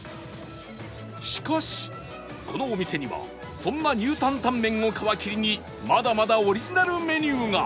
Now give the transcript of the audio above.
しかしこのお店にはそんなニュータンタンメンを皮切りにまだまだオリジナルメニューが